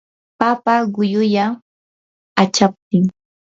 papa quyuyan achaptin.